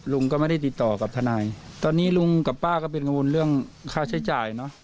ลุงก็ไม่ได้ติดต่อกับทนายตอนนี้ลุงกับป้าก็เป็นกังวลเรื่องค่าใช้จ่ายเนอะ